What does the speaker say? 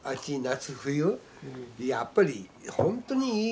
やっぱりホントにいい。